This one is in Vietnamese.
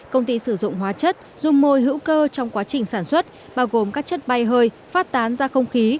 công ty sử dụng hóa chất dung môi hữu cơ trong quá trình sản xuất bao gồm các chất bay hơi phát tán ra không khí